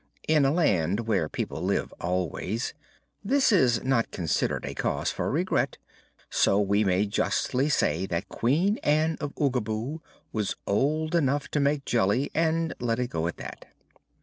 In a land where people live always, this is not considered a cause for regret, so we may justly say that Queen Ann of Oogaboo was old enough to make jelly and let it go at that.